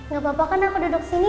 gak apa apa kan aku duduk sini